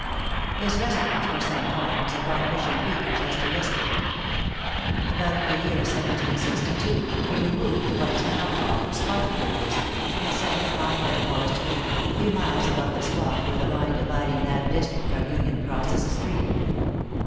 His residence for some time was upon Fishing Creek in Chester District. About the year 1762, he removed to what is now called Spartanburg District, and settled upon Fairforest Creek, a few miles above the spot where the line dividing that district from Union crosses the stream.